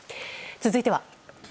続いては。